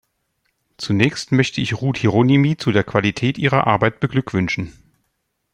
Zunächst möchte ich Ruth Hieronymi zu der Qualität ihrer Arbeit beglückwünschen.